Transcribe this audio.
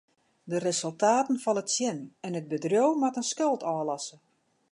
De resultaten falle tsjin en it bedriuw moat in skuld ôflosse.